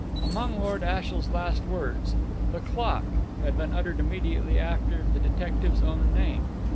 Among Lord Ashiel's last words, "The clock" had been uttered immediately after the detective's own name.